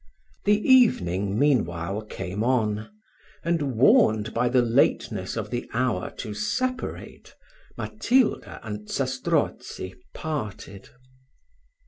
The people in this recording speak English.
The evening meanwhile came on, and, warned by the lateness of the hour to separate, Matilda and Zastrozzi parted.